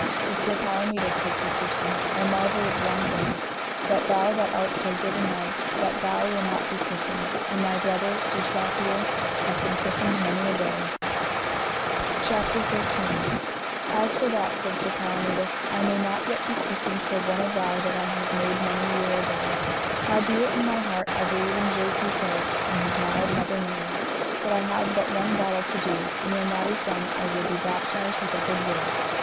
But Sir Palomides, said Sir Tristram, I marvel of one thing, that thou that art so good a knight, that thou wilt not be christened, and thy brother, Sir Safere, hath been christened many a day. CHAPTER XIII. How that Sir Tristram gat him harness of a knight which was hurt, and how he overthrew Sir Palomides. As for that, said Sir Palomides, I may not yet be christened for one avow that I have made many years agone; howbeit in my heart I believe in Jesu Christ and his mild mother Mary; but I have but one battle to do, and when that is done I will be baptised with a good will.